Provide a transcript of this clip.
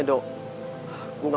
ettore ya baik banget